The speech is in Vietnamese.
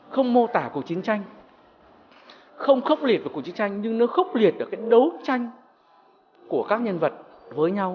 không mô tả cuộc chiến tranh không khốc liệt với cuộc chiến tranh nhưng nó khốc liệt được cái đấu tranh của các nhân vật với nhau